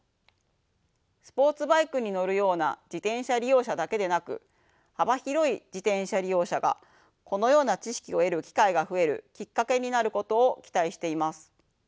スポーツバイクに乗るような自転車利用者だけでなく幅広い自転車利用者がこのような知識を得る機会が増えるきっかけになることを期待しています。